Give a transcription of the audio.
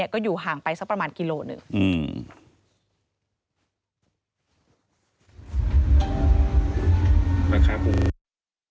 ก็อยู่ห่างไปสักประมาณกิโลหนึ่ง